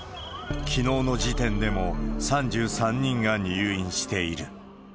きのうの時点でも３３人が入院している。